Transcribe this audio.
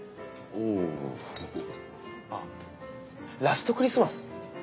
あっ「ラスト・クリスマス」